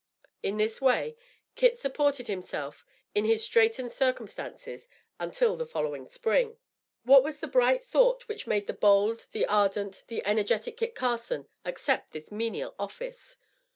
In this way Kit supported himself in his straitened circumstances until the following spring. What was the bright thought which made the bold, the ardent, the energetic Kit Carson accept this menial office?